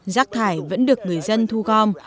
rác thải vẫn được người dân thu gom